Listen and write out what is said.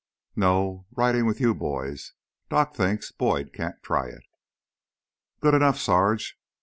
"No. Ridin' with you boys. Doc thinks Boyd can't try it." "Good enough, Sarge.